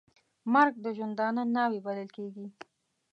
مرګ د ژوندانه ناوې بلل کېږي .